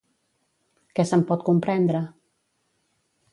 Què se'n pot comprendre?